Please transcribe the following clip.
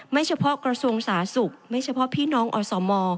ไม่เฉพาะกระทรวงศาสุขพี่น้องอสม